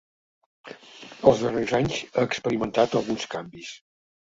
Els darrers anys ha experimentat alguns canvis.